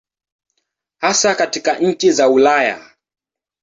Hasa katika nchi za Ulaya.